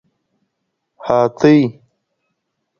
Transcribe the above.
هاتۍ 🐘